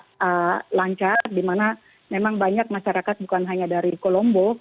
jadi ini adalah jam malam yang sangat lancar di mana memang banyak masyarakat bukan hanya dari kolombo